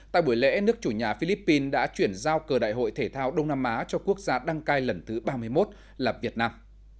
tại buổi lễ nước chủ nhà philippines đã chuyển giao cờ đại hội thể thao đông nam á cho quốc gia đăng cai lần thứ ba mươi một là việt nam